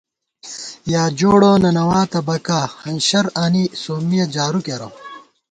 یا جوڑہ ننَواتہ بَکا ، ہنشر آنی سومِّیَہ جارُو کېرہ